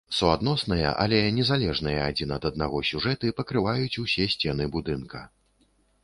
Суадносныя, але незалежныя адзін ад аднаго сюжэты пакрываюць усе сцены будынка.